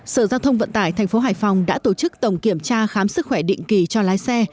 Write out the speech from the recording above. sở giao thông vận tải tp hải phòng đã tổ chức tổng kiểm tra khám sức khỏe định kỳ cho lái xe